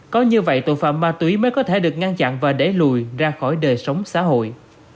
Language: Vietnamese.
có như vậy tội phạm ma túy mới có thể được ngăn chặn và đẩy lùi ra khỏi đời sống xã hội